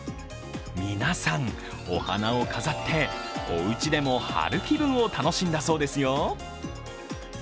皆さん、お花を飾っておうちでも春気分を楽しんだそうですよ。